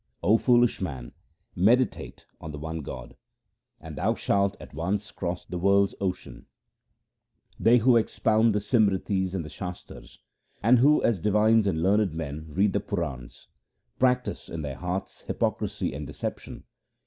O foolish man, meditate on the one God, And thou shalt at once cross the world's ocean. HYMNS OF GURU AMAR DAS 239 They who expound the Simritis and the Shastars, And who as divines and learned men read the Purans, Practise in their hearts hypocrisy and deception.